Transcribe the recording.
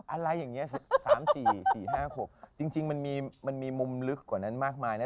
อะไรอย่างนี้๓๔๔๕๖จริงมันมีมุมลึกกว่านั้นมากมายนะ